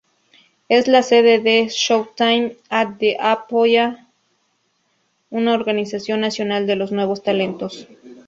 Es la sede de "Showtime at the Apollo", una organización nacional de nuevos talentos.